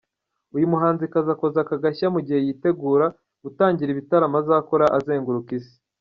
Uyu muhanzikazi akoze aka gashya mu gihe yitegura gutangirira ibitaramo azakora azenguruka isi.